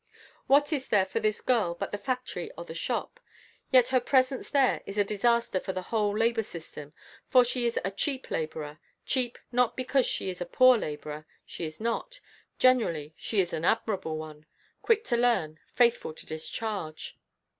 What is there for this girl but the factory or the shop? Yet her presence there is a disaster for the whole labor system, for she is a cheap laborer cheap not because she is a poor laborer she is not; generally she is an admirable one quick to learn, faithful to discharge.